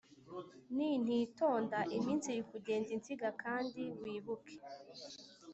nintitonda iminsi irikugenda insiga kandi wibuke